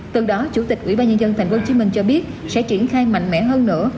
từ đó chủ tịch ủy ban nhân dân thành phố hồ chí minh cho biết sẽ triển khai mạnh mẽ hơn nữa